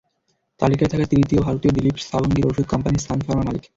তালিকায় থাকা তৃতীয় ভারতীয় দিলীপ সাঙ্গভির ওষুধ কোম্পানি সান ফার্মার মালিক।